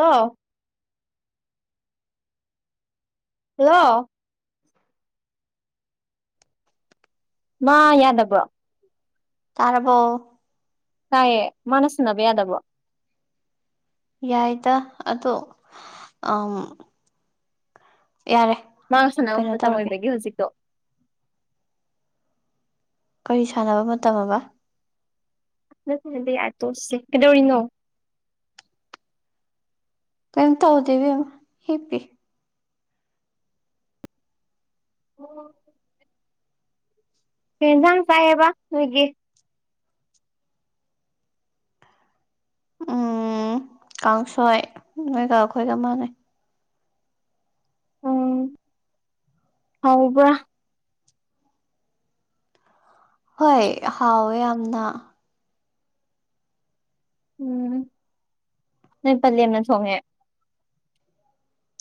ꯑꫭ꯫ ꯍꯜꯂꯣ꯫ ꯃꯥ ꯌꯥꯗꯕ꯭ꯔꯣ꯫ ꯇꯥꯔꯕꯣ꯫ ꯇꯥꯏꯌꯦ ꯃꯥꯅ ꯁꯅꯕ ꯌꯥꯗꯕ꯭ꯔꫭ꯫ ꯌꯥꯏꯗ ꯑꯗꫭ ꯑꯝ ꯌꯥꯔꯦ꯫ ꯃꯥꯥꯒ ꯁꯥꯟꯅꯕ ꯀꯩꯅꯣ ꯃꯇꯝ ꯇꯧꯔꯒꯦ ꯑꯣꯏꯕꯒꯤ ꯍꯧꯖꯤꯛꯇꯣ꯫ ꯀꯔꯤ ꯁꯥꯟꯅꯕ ꯃꯇꯝ ꯑꯕ꯫ ꯅꯠꯇꯦ ꯅꯗꯦ ꯌꯥ ꯇꯣꯁꯦ ꯀꯩꯗꯧꯔꯤꯅꯣ꯫ ꯀꯩꯝ ꯍꯧꯗꯦ ꯏꯕꯦꯝꯃ ꯍꯤꯞꯄꯤ꯫ [inaudible] ꯀꯩ ꯍꯦꯟꯖꯥꯡ ꯆꯥꯏꯑꯦꯕ ꯅꯣꯏꯒꯤ꯫ ꯀꯥꯡꯁꯣꯏ ꯅꯣꯏꯒ ꯑꯈꯣꯏꯒ ꯃꯥꯟꯅꯩ꯫ ꯍꯥꯎꯕ꯭ꯔꯥ꯫ ꯍꯣꯏ ꯍꯥꯎꯋꯦ ꯌꯥꯝꯅ꯫ ꯅꫭꯏ ꯄꯜꯂꯦꯝꯅ ꯊꯣꯡꯉꯦ꯫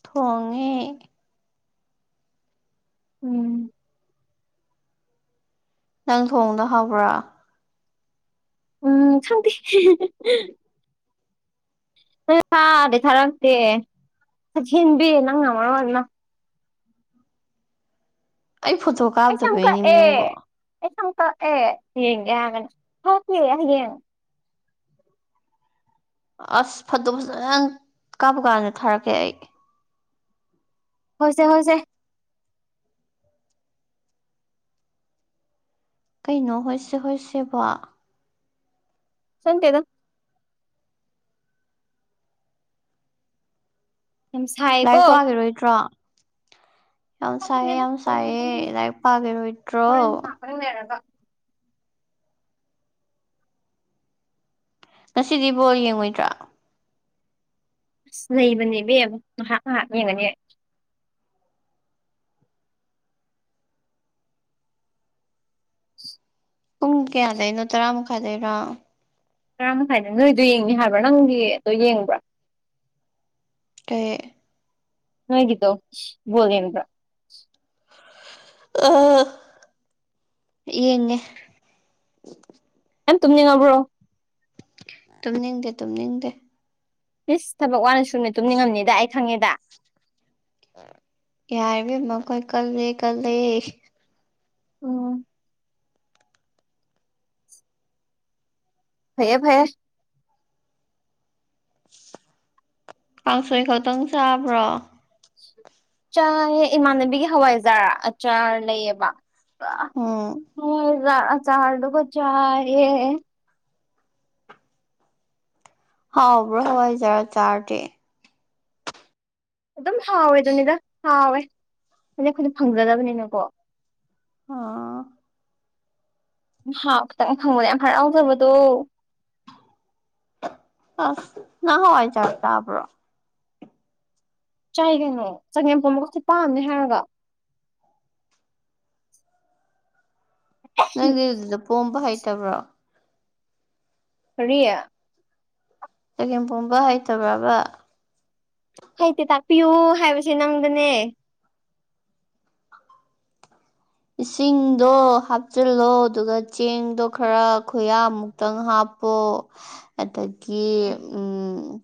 ꯊꯣꯡꯉꯦ꯫ ꯎꯝ ꯅꯪ ꯊꯣꯡꯗꫭ ꯍꯥꯎꯕ꯭ꯔꯥ꯫ ꯈꯪꯗꯦ [unintelligible] [inaudible] ꯊꯥꯗꯤ ꯊꯥꯔꯛꯇꯦ [inaudible] ꯅꯪꯅ ꯃꯔꯣꯟ ꯑꯃ꯫ ꯑꯩ ꯐꯣꯇꯣ ꯑꯩ ꯁꯝ ꯀꯥꯞꯇꯕꯩꯅꯦ ꯀꯛꯑꯦ ꯅꯪꯕꯣ꯫ ꯑꯩ ꯁꯝ ꯀꯛꯑꯦ ꯌꯦꯡꯒꯦ ꯍꯥꯥꯔꯛꯀꯅꯤ ꯊꫭꯛꯇꯦ ꯍꯌꯦꯡ꯫ ꯑꯁ ꯐꯠꯗꯣ ꯐꯖꯟ ꯀꯥꯕ ꯀꯥꯟꯗ ꯊꯥꯔꯛꯀꯦ ꯑꯩ꯫ ꯍꫭꯏꯁꯦ-ꯍꫭꯏꯁꯦ꯫ ꯀꯩꯅꯣ ꯍꯣꯏꯁꯦ ꯍꯁꯦꯕꯣ꯫ ꯈꯪꯇꯦꯗ꯫ ꯌꯥꯝ ꯁꯥꯏꯌꯦꯀꯣ ꯂꯥꯏꯔꯤꯛ ꯄꯥꯈꯤꯔꯣꯏꯗ꯭ꯔꯣ꯫ ꯌꯥꯝ ꯁꯥꯏꯌꯦ ꯈꯪꯗꯦꯗ ꯌꯥꯝ ꯁꯥꯏꯌꯦ ꯂꯥꯏꯔꯤꯛ ꯄꯥꯅꯤꯔꯣꯏꯗ꯭ꯔꯣ꯫ ꯇꯪ ꯅꯩꯔꯒ꯫ ꯉꯁꯤꯗꯤ ꯕꯣꯜ ꯌꯦꯡꯉꯣꯏꯗ꯭ꯔꯥ ꯑꯁ ꯂꯩꯕꯅꯦ ꯏꯕꯦꯝꯃ ꯉꯍꯥꯛ ꯉꯍꯥꯛ ꯌꯦꯡꯒꯅꯤ ꯑꯩ ꯄꯨꯡ ꯀꯌꯥꯗꯩꯩꯅꯣ ꯇꯔꯥꯃꯈꯥꯏꯗꯩꯩꯔꯣ ꯇꯔꯥꯃꯈꯥꯏꯗ ꯅꯣꯏꯗꯣ ꯌꯦꯡꯅꯤ ꯍꯥꯏꯕ꯭ꯔꯥ ꯅꯪꯒꯤ ꯗꯣ ꯌꯦꯡꯕ꯭ꯔꯥ ꯀꯩ ꯅꯣꯏꯒꯤꯗꯣ ꯕꯣꯜ ꯌꯦꯡꯕꯔ꯭ꯥ ꯑ ꯌꯦꯡꯉꯦ꯫ ꯌꯥꯝ ꯇꯨꯝꯅꯤꯡꯉꯕ꯭ꯔꯣ ꯇꯨꯝꯅꯤꯡꯗꯦ ꯇꯨꯝꯅꯤꯡꯗꯦ ꯏꯁ ꯊꯕꯛ ꯋꯥꯅ ꯁꯨꯝꯅꯤ ꯇꯨꯝꯅꯤꯡꯉꯝꯅꯤꯗ ꯑꯩ ꯈꯪꯉꯦꯗ ꯌꯥꯔꯦ ꯏꯕꯦꯝꯃ ꯑꯈꯣꯏ ꯀꯜꯂꯦ ꯀꯜꯂꯦ ꯑꯣ ꯐꯩꯌꯦ ꯐꯌꯦ ꯀꯥꯡꯁꯣꯏ ꯈꯛꯇꯪ ꯆꯥꯕ꯭ꯔꯣ ꯆꯥꯏꯌꯦ ꯏꯃꯥꯟꯅꯕꯤꯒꯤ ꯍꯋꯥꯏꯖꯥꯔ ꯑꯆꯥꯔ ꯂꯩꯌꯦꯕ ꯎꯝ ꯍꯋꯥꯏꯖꯥꯔ ꯑꯆꯥꯔꯗꯨꯒ ꯆꯥꯏꯌꯦ ꯍꯥꯎꯕ꯭ꯔꯣ ꯍꯋꯥꯏꯖꯥꯔ ꯑꯆꯥꯔꯗꯤ ꯑꯗꯨꯝ ꯍꯥꯎꯋꯦ ꯑꯗꯨꯅꯤꯗ ꯍꯥꯎꯋꯦ ꯍꯥꯏꯗꯤ ꯑꯩꯈꯣꯏꯗꯤ ꯐꯪꯖꯗꯕꯅꯤꯅꯀꯣ ꯍꯥ ꯃ ꯍꯥꯎ ꯈꯇꯪ ꯐꯪꯕꯗ ꯌꯥꯝ ꯍꯔꯥꯎꯖꯕꯗꯣ ꯑꯥ ꯅꯪ ꯍꯋꯥꯏꯖꯥꯔ ꯆꯥꯕꯔ꯭ꫭ ꯆꯥꯏ ꯀꯩꯅꯣ ꯆꯒꯦꯝꯄꯣꯝꯕꯒ ꯈꯨꯄꯥꯝ ꯑꯝꯅꯦ ꯍꯥꯏꯔꯒ ꯅꯪꯗꯤ ꯑꯗꯨꯗ ꯄꯣꯝꯕ ꯍꯩꯇꯕ꯭ꯔꯣ ꯀꯔꯤ ꯆꯒꯦꯝꯄꯣꯝꯕ ꯍꯩꯇꯕ꯭ꯔꯕ ꯍꯩꯇꯦ ꯇꯥꯛꯄꯤꯌꯨ ꯍꯥꯏꯕꯁꯦ ꯅꯪꯗꯅꯦ ꯏꯁꯤꯡꯗꯣ ꯍꯥꯞꯆꯤꯜꯂꯣ ꯑꯗꯨꯒ ꯆꯦꯡꯗꯣ ꯈꯔ ꯈꯨꯌꯥꯃꯨꯛꯇꯪ ꯍꯥꯞꯄꯣ [inaudible] ꯑꯠꯗꯒꯤ ꯎꯝ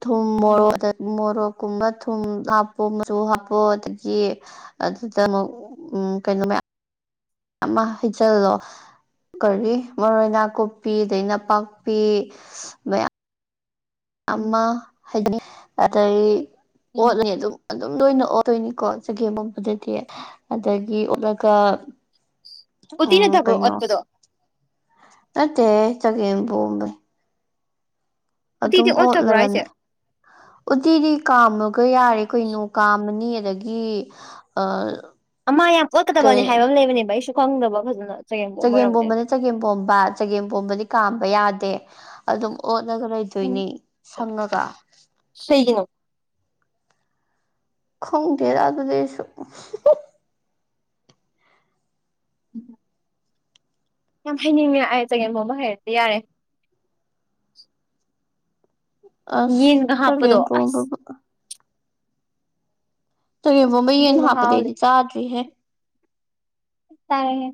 ꯊꯨꯝ ꯃꯣꯔꯣꯛꯗ ꯃꯣꯔꯣꯛꯀꯨꯝꯕ ꯊꯨꯝ ꯍꯥꯞꯄꯣ ꯃꯆꯨ ꯍꯥꯞꯄꯣ ꯑꯗꯒꯤ ꯑꯗꯨꯗ ꯑꯃꯨꯛ ꯎꯝ ꯀꯩꯅꯣ ꯃꯌꯥꯝ ꯑꯃ ꯍꯩꯖꯜꯂꯣ ꯀꯔꯤ ꯃꯔꯣꯏ ꯅꯥꯀꯨꯞꯄꯤ ꯑꯗꯩ ꯅꯄꯥꯛꯄꯤ ꯃꯌꯥꯝ ꯑꯃ ꯍꯥꯏꯗꯤ ꯑꯗꯩ ꯑꯣꯠꯂꯅꯤ ꯑꯗꯨꯝ ꯑꯗꯨꯝ ꯇꯣꯏꯅ ꯑꯣꯠꯇꯣꯏꯅꯤꯀꯣ ꯆꯒꯦꯝ ꯄꯣꯝꯕꯗꯗꯤ ꯑꯗꯒꯤ ꯑꯣꯠꯂꯒ ꯎꯇꯤ ꯎꯝ ꯅꯠꯇꯕ꯭ꯔꯣ ꯀꯩꯅꯣ ꯑꯣꯠꯄꯗꯣ ꯅꯠꯇꯦꯍꯦ ꯆꯒꯦꯝ ꯄꯣꯝꯕꯩ ꯎꯇꯤꯗꯤ ꯑꯗꯨꯝ ꯑꯣꯠꯇꯕ꯭ꯔꯣ ꯑꯣꯠꯂꯒꯟ ꯍꯥꯏꯁꯦ ꯎꯇꯤꯗꯤ ꯀꯥꯝꯃꯒ ꯌꯥꯔꯦ ꯀꯣꯏꯅꯣ ꯀꯥꯝꯃꯅꯤ ꯑꯗꯒꯤ ꯒꯤ ꯑ ꯑꯃ ꯌꯥꯝ ꯑꯣꯠꯀꯗꯕꯅꯤ ꯀꯩ ꯍꯥꯏꯕ ꯑꯃ ꯂꯩꯕꯅꯦꯕ ꯑꯩꯁꯨ ꯈꯪꯗꯕ ꯐꯖꯅ ꯆꯒꯦꯝꯄꯣꯝ ꯆꯒꯦꯝꯕꯣꯝꯕꯅꯦ ꯑꯣꯏꯔꯝꯒꯅꯤ ꯆꯒꯦꯝꯄꯣꯝꯕꯥꯠ ꯆꯒꯦꯝ ꯄꯣꯝꯕꯗꯤ ꯀꯥꯝꯕ ꯌꯥꯗꯦ ꯑꯗꯨꯝ ꯑꯣꯠꯂꯒ ꯂꯩꯗꯣꯏꯅꯤ ꯁꯪꯉꯒ ꯁꯩꯒꯤꯅꯣ ꯈꯪꯗꯦꯔꯥ ꯑꯗꯨꯗꯤ ꯑꯩꯁꯨ ꯎꯝ ꯌꯥꯝ ꯍꯩꯅꯤꯡꯉꯦ ꯑꯩ ꯆꯒꯦꯝꯄꯣꯝꯕ ꯍꯩꯔꯗꯤ ꯌꯥꯔꯦ ꯑꯁ ꯌꯦꯟꯒ ꯍꯞꯄꯗꯣ ꯆꯒꯦꯝ ꯑꯁ ꯄꯣꯝꯕꯕꯨ ꯆꯒꯦꯝꯄꯣꯝꯕ ꯑꯗꯨꯏ ꯌꯦꯟ ꯍꯥꯞꯄꯗꯤ ꯃꯍꯥꯎꯗꯤ ꯑꯩꯗꯤ ꯆꯥꯗ꯭ꯔꯤꯍꯦ ꯆꯥꯔꯦꯍꯦ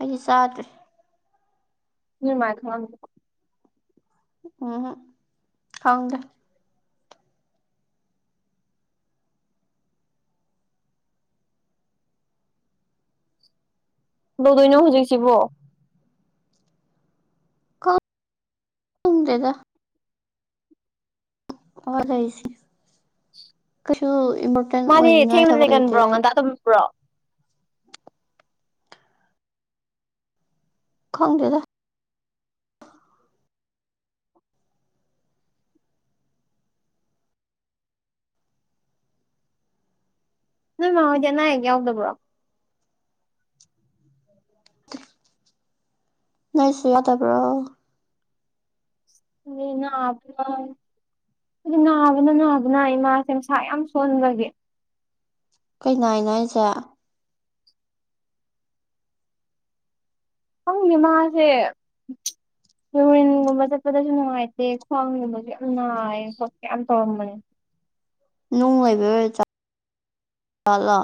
ꯑꯩꯗꯤ ꯆꯥꯗ꯭ꯔꯤ ꯅꯣꯢ ꯃꯥ ꯊꯣꯡꯍꯜꯂꯨ ꯎꯝꯍꯨꯝ ꯈꯪꯗꯦ ꯀꯨꯗꯧꯗꯨꯏꯅꯣ ꯍꯧꯖꯤꯛꯁꯤꯕꯣ ꯈꯪꯗꯦꯗ ꯍꯣꯢ [unintelligible] [unintelligible] ꯀꯩꯁꯨ ꯃꯥꯗꯤ ꯑꯣꯏꯅꯤꯡꯉꯥꯏ ꯊꯦꯡꯅ ꯊꯕꯛ ꯂꯩꯇꯦ ꯂꯩꯒꯟꯕ꯭ꯔꯣ ꯑꯩ ꯉꯟꯇ ꯇꯝꯕ꯭ꯔꯣ ꯈꯪꯗꯦꯗ ꯅꯣꯢ ꯃꯥꯍꯣꯢꯗꯤ ꯑꯅꯥ ꯑꯌꯦꯛ ꯌꯥꯎꯗꯕ꯭ꯔꯣ ꯅꯣꯢꯁꯨ ꯌꯥꯎꯗꯕ꯭ꯔꯣ ꯃꯤ [unintelligible] ꯄꯪ ꯅꯥꯕꯅ ꯅꯥꯕꯅ ꯏꯃꯥꯁꯦ ꯃꯁꯥ ꯌꯥꯝ ꯁꯣꯟꯕꯒꯤ ꯀꯩ ꯅꯥꯢꯅꯣ ꯍꯥꯢꯁꯤ ꯈꯪꯗꯦ ꯃꯥꯁꯦ [unintelligible] ꯒꯨꯝꯕ ꯆꯠꯄꯗꯁꯨ ꯅꯨꯡꯉꯥꯏꯇꯦ ꯈ꯭ꯋꯥꯡꯒꯨꯝꯕꯁꯨ ꯌꯥꯝ ꯅꯥꯏꯌꯦ ꯈꯣꯠ ꯌꯥꯝ ꯇꯧꯔꯝꯕꯅꯦ ꯅꯨꯡ ꯂꯩꯕꯩ ꯑꯣꯏꯖꯠꯂꯣ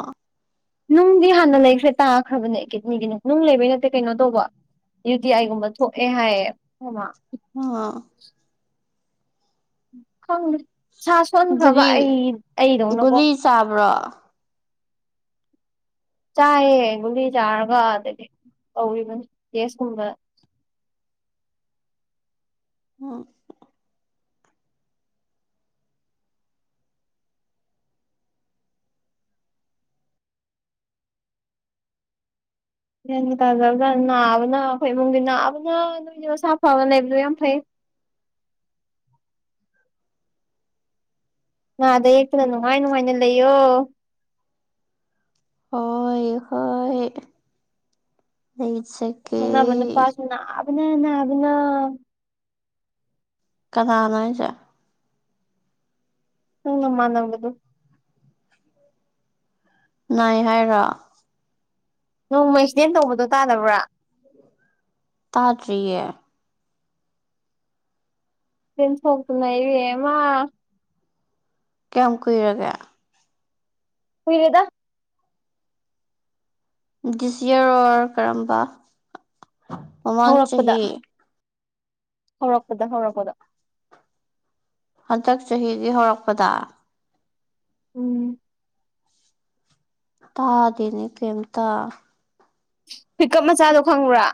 ꯅꯨꯡꯗꯤ ꯍꯥꯟꯅ ꯂꯩꯈ꯭ꯔꯦ ꯇꯥꯈ꯭ꯔꯕꯅꯦ ꯀꯤꯠꯅꯤꯒꯤ ꯅꯨꯡ ꯂꯩꯕꯩ ꯅꯠꯇ ꯀꯩꯅꯣ ꯇꯧꯕ ꯌꯨ ꯇꯤ ꯑꯥꯏꯒꯨꯝꯕ ꯊꯣꯛꯑꯦ ꯍꯥꯏꯌꯦ ꯈꯣꯢ ꯃꯥ ꯑꯥ ꯈꯪꯗꯦ ꯃꯁꯥ ꯁꯣꯟꯈ꯭ꯔꯕꯥ ꯑꯗꯨꯗꯤ ꯑꯩ ꯑꯩꯗꯧꯅꯀꯣ ꯒꯨꯂꯤ ꯆꯥꯕ꯭ꯔꯣ ꯆꯥꯏꯌꯦ ꯒꯨꯂꯤ ꯆꯥꯔꯒ ꯑꯗꯒꯤ ꯇꯧꯔꯤꯕꯁꯦ ꯇꯦꯁꯒꯨꯝꯕ ꯑꯝ ꯒ꯭ꯌꯥꯟ ꯇꯥꯖꯕ ꯅꯕꯥꯅ ꯑꯩꯈꯣꯏ ꯏꯃꯨꯡꯗꯤ ꯅꯕꯥꯅ ꯅꯣꯏꯗꯤ ꯃꯁꯥ ꯐꯕ ꯂꯩꯕꯗꯣ ꯌꯥꯝ ꯐꯩ ꯅꯥꯗ ꯌꯦꯛꯇꯅ ꯅꯨꯡꯉꯥꯏ ꯅꯨꯡꯉꯥꯏꯅ ꯂꯩꯌꯣ ꯍꯣꯏ ꯍꯣꯏ ꯂꯩꯖꯒꯦ ꯈꯪꯅꯕ ꯅꯨꯄꯥꯁꯨ ꯅꯕꯥꯅ ꯅꯕꯥꯅ ꯀꯅꯥꯅꯣ ꯍꯥꯏꯁꯦ ꯅꯣꯢ ꯅꯃꯥꯟꯅꯕꯗꯨ ꯅꯥꯏ ꯍꯥꯏꯔꯣ ꯅꯣꯡꯃ ꯑꯦꯛꯁꯤꯗꯦꯟ ꯇꯧꯕꯗꯧ ꯇꯥꯗꯕ꯭ꯔꯥ ꯇꯥꯗ꯭ꯔꯤꯌꯦ ꯑꯦꯛꯁꯤꯗꯦꯟ ꯊꯣꯛꯇꯅ ꯢꯕꯦꯝꯃꯥ ꯀꯌꯥꯝ ꯀꯨꯏꯔꯒꯦ ꯀꯨꯏꯔꯦꯗ ꯗꯤꯁ ꯌꯔ ꯑꯣꯔ ꯀꯔꯝꯕ ꯃꯃꯥꯡ ꯍꯧꯔꯛꯄꯗ ꯆꯍꯤ ꯍꯧꯔꯛꯄꯗ ꯍꯧꯔꯛꯄꯗ ꯍꯟꯗꯛ ꯆꯍꯤꯒꯤ ꯍꯧꯔꯛꯄꯗ ꯎꯝ ꯇꯥꯗꯦꯅꯦ ꯀꯤꯝꯇ ꯍꯨꯢꯀꯞ ꯃꯆꯥꯗꯣ ꯈꯪꯕ꯭ꯔꯥ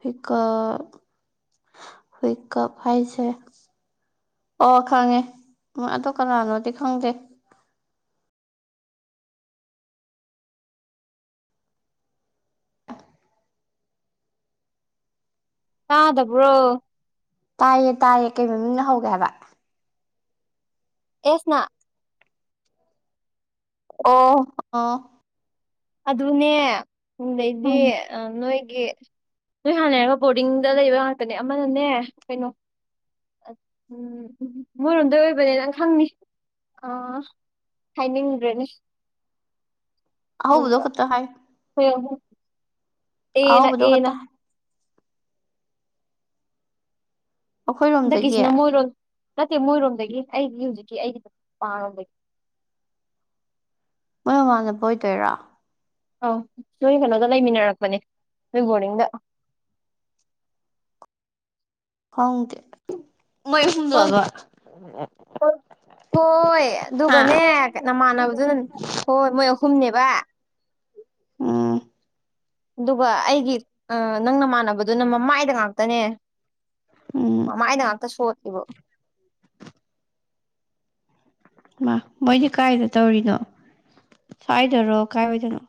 ꯍꯨꯢꯀꯞ ꯍꯨꯢꯀꯞ ꯍꯥꯏꯁꯦ ꯑꯣ ꯈꯪꯉꯦ [unintelligible] ꯀꯅꯥꯅꯣꯗꯤ ꯈꯪꯗꯦ ꯇꯥꯗꯕ꯭ꯔꯣ ꯇꯥꯏꯌꯦ ꯇꯥꯏꯌꯦ ꯀꯩ ꯃꯃꯤꯡꯅ ꯍꯧꯒꯦ ꯍꯥꯏꯕ ꯑꯦꯁꯅ ꯑꯣ ꯑꫭ ꯑꯗꯨꯅꯦ [unintelligible] ꯗꯩꯗꯤ ꯎꯝ ꯅꯣꯏꯒꯤ ꯅꯣꯏ ꯍꯥꯟꯅꯩ ꯑꯃ ꯕꯣꯔꯗꯤꯡꯗ ꯂꯩꯕ ꯉꯥꯛꯇꯅꯦ ꯑꯃꯅꯅꯦ ꯀꯩꯅꯣ ꯎꯝ ꯎꯝ ꯃꯣꯏꯔꯣꯝꯗꯩ ꯑꯣꯏꯕꯅꯦ ꯅꯪ ꯈꯪꯅꯤ ꯑꯥ ꯍꯥꯏꯅꯤꯡꯗ꯭ꯔꯦꯅꯦ [unintelligible] ꯥ [unintelligible] [unintelligible] ꯑꯦꯅ ꯑꯍꯧꯕꯗꯣ ꯑꯦꯅ ꯈꯇ ꯑꯩꯈꯣꯏꯔꯣꯝꯗꯒꯤ ꯍꯟꯗꯛꯀꯤꯁꯤꯅ ꯃꯣꯏꯔꯣꯝ ꯅꯠꯇꯦ ꯃꯣꯏꯔꯣꯝꯗꯒꯤ ꯑꯩꯒꯤ ꯍꯧꯖꯤꯛꯀꯤ ꯑꯩꯒꯤ [unintelligible] ꯔꯣꯝꯗꯒꯤ ꯃꯣꯏ ꯃꯃꯥꯟꯅꯕ ꯑꯣꯏꯗꯣꯏꯔꫭ ꯑꯧ ꯅꯣꯏ ꯀꯩꯅꯣꯗ ꯂꯩꯃꯤꯟꯅꯔꯛꯄꯅꯦ ꯅꯣꯏ ꯕꯣꯔꯗꯤꯡꯗ ꯈꯪꯗꯦ ꯃꯣꯏ ꯍꯣꯏ ꯑꯍꯨꯝꯂꯕ ꯍꯣꯏ ꯍꯥ ꯑꯗꯨꯒꯅꯦ ꯅꯃꯥꯟꯅꯕꯗꯨꯅ ꯍꯣꯏ ꯃꯣꯏ ꯑꯍꯨꯝꯅꯦꯕ ꯎꯝ ꯑꯗꯨꯒ ꯑꯩꯒꯤ ꯅꯪ ꯅꯃꯥꯟꯅꯕꯗꯨꯅ ꯃꯃꯥꯏꯗ ꯉꯥꯛꯇꯅꯦ ꯎꯝ ꯃꯃꯥꯏꯗ ꯉꯥꯛꯇ ꯁꫭꯠꯈꯤꯕ ꯍꯩꯃꯥ ꯃꯣꯏꯗꯤ ꯀꯥꯏꯗ ꯇꯧꯔꯤꯅꯣ ꯁ꯭ꯋꯥꯏꯗꯔꯣ ꯀꯥꯏ ꯋꯥꯏꯗꯅꯣ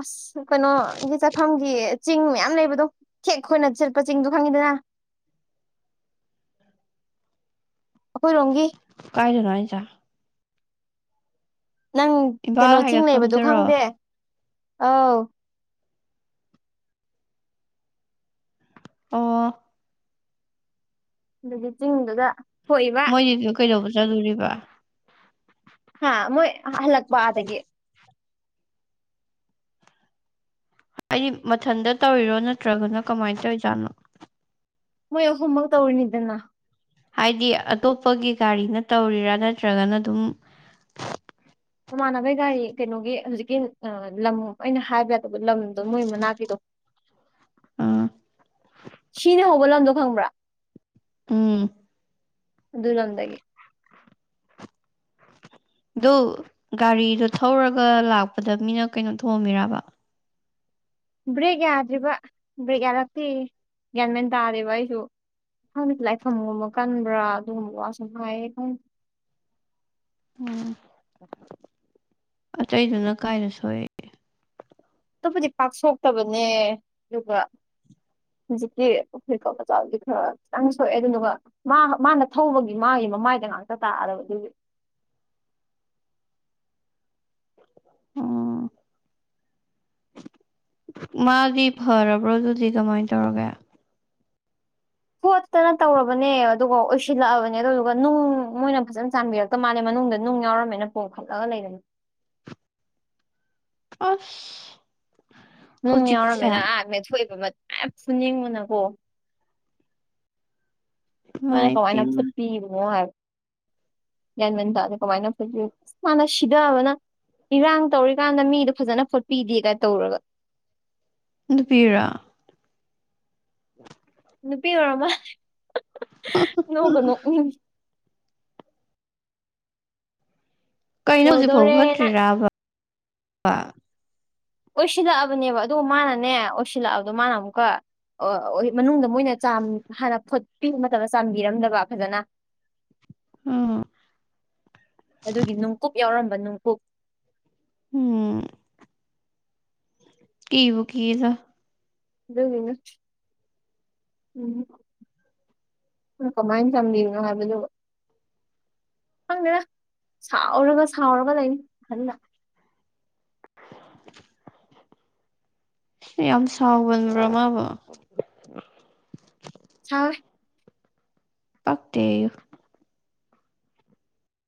ꯑꯁ ꯀꯩꯅꯣꯒꯤ ꯆꯠꯐꯝꯒꯤ ꯆꯤꯡ ꯃꯌꯥꯝ ꯂꯩꯕꯗꯣ ꯊꯦꯛ ꯈꯣꯏꯅ ꯆꯠꯄ ꯆꯤꯡꯗꯣ ꯈꯪꯉꯤꯗꯅ ꯑꯈꯣꯏꯔꯣꯡꯝꯒꯤ ꯀꯥꯏꯗꯅꫭ ꯍꯥꯏꯖꯦ ꯅꯪ ꯀꯩꯅꯣ ꯏꯝꯐꯥꯜ ꯆꯤꯡ ꯂꯩꯕꯗꯣ ꯍꯥꯏꯒꯠꯐꯝꯗꯔꯣ ꯈꯪꯗꯦ ꯑꯥꯎ ꯑꯣ ꯑꯗꯨꯒꯤ ꯆꯤꯡꯗꯨꯗ ꯊꯣꯛꯏꯕ ꯃꯣꯏꯗꯤ ꯑꯗꯨꯗ ꯀꯩꯗꯧꯕ ꯆꯠꯂꯨꯔꯤꯕ ꯍꯥ ꯃꯣꯏ ꯍꯜꯂꯛꯄ ꯑꯥꯗꯒꯤ ꯑꯩꯗꯤ ꯃꯊꯟꯇ ꯇꯧꯔꯤꯔꯣ ꯅꯠꯇ꯭ꯔꯒꯅ ꯀꯃꯥꯏꯟ ꯇꯧꯔꯤꯖꯥꯠꯅꯣ ꯃꯣꯏ ꯑꯍꯨꯝꯃꯒ ꯇꯧꯔꯤꯅꯤꯗꯅ ꯍꯥꯏꯗꯤ ꯑꯇꯣꯞꯄꯒꯤ ꯒꯥꯔꯤꯅ ꯇꯧꯔꯤꯔ ꯅꯠꯇ꯭ꯔꯒꯅ ꯑꯗꯨꯝ ꯃꯃꯥꯟꯅꯕꯩ ꯒꯥꯔꯤ ꯀꯩꯅꯣꯒꯤ ꯍꯧꯖꯤꯛꯀꯤ ꯂꯝ ꯑꯩꯅ ꯍꯥꯏꯕ ꯌꯥꯗꯕ ꯂꯝꯗꯣ ꯃꯣꯏ ꯃꯅꯥꯛꯀꯤꯗꯣ [inaudible] ꯎꯝ ꯁꯤꯅ ꯍꯧꯕ ꯂꯝꯗꯣ ꯈꯪꯕ꯭ꯔ ꯎꯝ ꯑꯗꯨ ꯂꯝꯗꯒꯤ ꯑꯗꯨ ꯒꯥꯔꯤꯗꯣ ꯊꯧꯔꯒ ꯂꯥꯛꯄꯗ ꯃꯤꯅ ꯀꯩꯅꯣ ꯊꯣꯝꯃꯤꯔꯕ ꯕ꯭ꯔꯦꯛ ꯌꯥꯗ꯭ꯔꯤꯕ ꯕ꯭ꯔꯦꯛ ꯌꯥꯔꯛꯇꯦꯌꯦ ꯒ꯭ꯌꯥꯟꯃꯦꯟ ꯇꯥꯗꯦꯕ ꯑꯩꯁꯨ [unintelligible] ꯂꯥꯏꯐꯝꯒꯨꯝꯕ ꯀꯟꯕ꯭ꯔ ꯑꯗꯨꯒꯨꯝꯕ ꯋꯥ ꯁꯨꯝ ꯍꯥꯏꯌꯦ ꯑꯩ [unintelligible] ꯎꯝ ꯑꯇꯩꯗꯨꯅ ꯀꯥꯏꯗ ꯁꯣꯛꯏ ꯑꯇꫭꯞꯄꯗꯤ ꯄꯥꯛ ꯁꯣꯛꯇꯕꯅꯦ ꯑꯗꯨꯒ ꯍꯧꯖꯤꯛꯀꯤ [unintelligible] ꯈꯔ ꯈꯤꯇꯪ ꯁꯣꯛꯑꯦ ꯑꯗꯨꯗꯨꯒ ꯃꯥ ꯃꯥꯅ ꯊꯧꯕꯒꯤ ꯃꯥꯒꯤ ꯃꯃꯥꯏꯗ ꯉꯥꯛꯇ ꯇꯥꯔꯕ ꯑꯗꯨꯒꯤ ꯎꯝ ꯃꯥꯗꯤ ꯐꯔꯕ꯭ꯔꯣ ꯑꯗꯨꯗꯤ ꯀꯃꯥꯏꯅ ꯇꯧꯔꯒꯦ ꯈꯣꯠꯇꯅ ꯇꯧꯔꯕꯅꯦ ꯑꯗꯨꯒ ꯑꯣꯏꯁꯤꯜꯂꯛꯑꯕꯅꯦ ꯑꯗꯨꯗꯨꯒ ꯅꯨꯡ ꯃꯣꯏꯅ ꯐꯖꯅ ꯆꯥꯕꯤꯔꯛ ꯃꯥꯜꯂꯦ ꯃꯅꯨꯡꯗ ꯅꯨꯡ ꯌꯥꯎꯔꯝꯃꯦꯅ ꯄꯣꯈꯠꯂꯒ ꯂꯩꯕꯅꯤ ꯑꯁ ꯅꯨꯡ ꯍꯧꯖꯤꯛꯁꯦ ꯌꯥꯎꯔꯝꯃꯤꯅ ꯑꯥ ꯃꯦꯊꯣꯛꯏꯕ ꯃꯌꯥꯝ ꯐꯨꯅꯤꯡꯉꯨꯅꯀꯣ ꯅꯣꯏꯅ ꯏꯃꯥꯏ ꯀꯃꯥꯏꯅ ꯄꯦꯝꯃ ꯐꫭꯄꯤꯕꯅꯣ ꯍꯥꯏꯕ ꯒ꯭ꯌꯥꯟꯃꯟꯗꯥꯗ ꯀꯃꯥꯏꯅ ꯐꫭꯠꯔꯤꯅꫭ ꯑꯁ ꯃꯥꯅ ꯁꯤꯗꯑꯕꯅ ꯏꯔꯥꯡ ꯇꯧꯔꯤꯀꯥꯟꯗ ꯃꯤꯗꯣ ꯐꯖꯅ ꯐꯣꯠꯄꯤꯗꯦꯒꯥꯏꯅ ꯇꯧꯔꯒ ꯅꯨꯄꯤꯔꫭ ꯅꯨꯄꯤ ꯑꯣꯏꯔꯃ ꯅꯣꯛ ꯀ ꯅꯣꯛ ꯏ ꯀꯩꯅꯣ ꯍꯧꯖꯤꯛꯐꯥꯎ ꯌꯧꯗꯣꯔꯦꯅ ꯐꯠꯇ꯭ꯔꯤꯔꯕ ꯑꯣꯏꯁꯤꯜꯂꯛꯑꯕꯅꯦꯕ ꯑꯗꯨ ꯃꯥꯅꯅꯦ ꯑꯣꯏꯁꯤꯜꯂꯛꯑꯕꯗꯣ ꯃꯥꯅ ꯑꯃꯨꯛꯀ ꯑꯣ ꯃꯅꯨꯡꯗ ꯃꯣꯏꯅ ꯍꯥꯟꯅ ꯐꯣꯠꯄꯤꯕ ꯃꯇꯝꯗ ꯆꯥꯝꯕꯤꯔꯝꯗꯕ ꯐꯖꯅ ꯎꯝ ꯑꯗꯨꯒꯤ ꯅꯨꯡꯀꯨꯞ ꯌꯥꯎꯔꯝꯕ ꯅꯨꯡ ꯎꯝ ꯀꯕꯨ ꯀꯤꯌꯦꯗ ꯑꯗꯨꯝꯅ [inaudible] ꯀꯃꯥꯏꯅ ꯇꯝꯕꯤꯅꯣ ꯍꯥꯏꯕꯗꯨ ꯈꯪꯗꯅ ꯁꯥꯎꯔꯒ ꯁꯥꯎꯔꯒ ꯂꯩꯅꯤ [inaudible] ꯌꯥꯝ ꯁꯥꯎꯒꯟꯕ꯭ꯔ ꯃꯥꯕꯨ ꯁꯥꯎꯏ ꯄꯛꯇ°ꯌꯨ